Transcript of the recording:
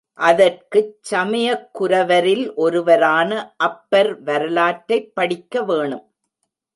அதற்குச் சமயக் குரவரில் ஒருவரான அப்பர் வரலாற்றைப் படிக்க வேணும்.